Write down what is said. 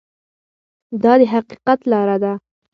دا د حقیقت لاره ده.